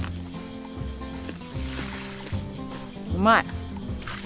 うまい！